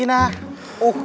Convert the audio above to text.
iya lah buat bobby